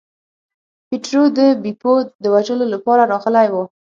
پیټرو د بیپو د وژلو لپاره راغلی و.